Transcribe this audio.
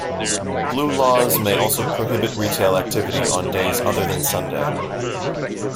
Blue laws may also prohibit retail activity on days other than Sunday.